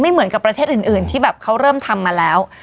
เหมือนกับประเทศอื่นที่แบบเขาเริ่มทำมาแล้ว